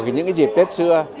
của những cái dịp tết xưa